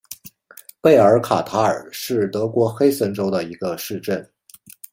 贝尔卡塔尔是德国黑森州的一个市镇。